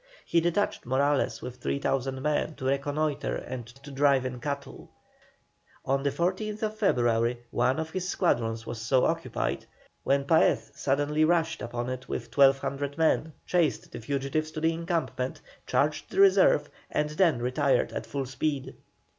He detached Morales with 3,000 men to reconnoitre and to drive in cattle. On the 14th February one of his squadrons was so occupied when Paez suddenly rushed upon it with 1,200 men, chased the fugitives to the encampment, charged the reserve, and then retired at full speed.